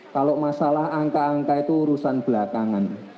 kalau masalah angka angka itu urusan belakangan